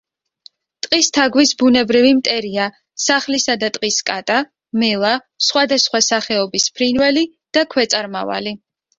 ტყის თაგვის ბუნებრივი მტერია: სახლისა და ტყის კატა, მელა, სხვადასხვა სახეობის ფრინველი და ქვეწარმავალი.